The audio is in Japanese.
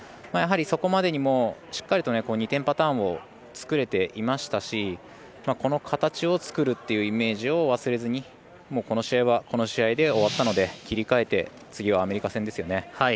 やはりそこまでにしっかりと２点パターンを作れていましたしこの形を作るっていうイメージを忘れずに、この試合で終わったので切り替えて次はアメリカ戦ですよね。